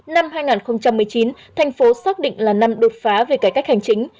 năm hai nghìn một mươi chín thành phố xác định là năm đột phá về cải cách hành chính